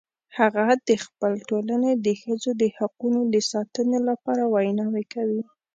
هغه د خپل ټولنې د ښځو د حقونو د ساتنې لپاره ویناوې کوي